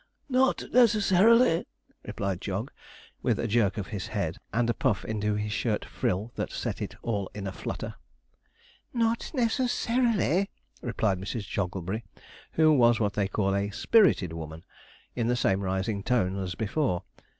'Not necessarily!' replied Jog, with a jerk of his head and a puff into his shirt frill that set it all in a flutter. 'Not necessarily!' replied Mrs. Jogglebury, who was what they call a 'spirited woman,' in the same rising tone as before.